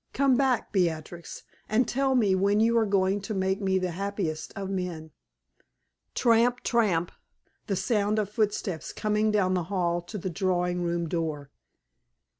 Come back, Beatrix, and tell me when you are going to make me the happiest of men?" Tramp! tramp! the sound of footsteps coming down the hall to the drawing room door.